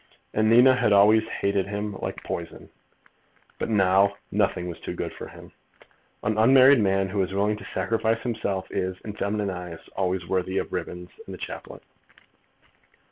And Nina had always hated him like poison. But now nothing was too good for him. An unmarried man who is willing to sacrifice himself is, in feminine eyes, always worthy of ribbons and a chaplet.